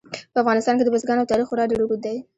په افغانستان کې د بزګانو تاریخ خورا ډېر اوږد دی.